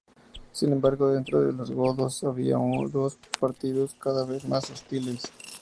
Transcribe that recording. Sin embargo, dentro de los godos había dos partidos, cada vez más hostiles.